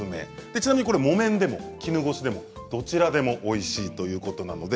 ちなみにこれ木綿でも絹ごしでもどちらでもおいしいということなのでオススメです。